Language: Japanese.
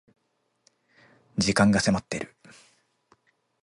時間が迫っている